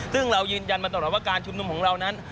ซึ่งเรายืนยันมาตลอดว่าการชุมนุมของเรานั้น